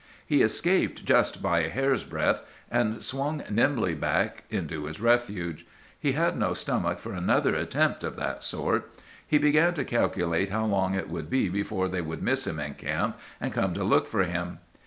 He escaped just by a hair's breadth, and swung nimbly back into his refuge. He had no stomach for another attempt of that sort. He began to calculate how long it would be before they would miss him in camp, and come to look for him.